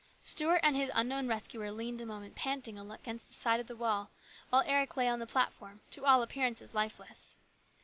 Stuart and his unknown rescuer leaned a moment panting against the side of the wall, while Eric lay on the platform, to all appear ances lifeless.